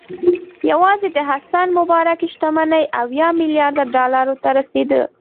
یوازې د حسن مبارک شتمني اویا میلیارده ډالرو ته رسېده.